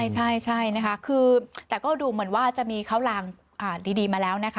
ใช่นะคะคือแต่ก็ดูเหมือนว่าจะมีข้าวลางดีมาแล้วนะคะ